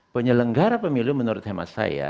penyelenggara pemilu menurut hemat saya